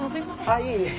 ああいえいえ。